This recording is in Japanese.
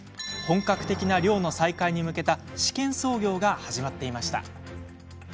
本格的な漁の再開に向けた試験操業が始まっていました。